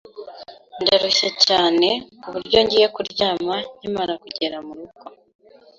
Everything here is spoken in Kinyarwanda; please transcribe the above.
Ndarushye cyane ku buryo ngiye kuryama nkimara kugera mu rugo.